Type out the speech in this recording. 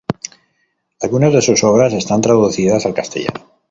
Algunas de sus obras están traducidas al castellano.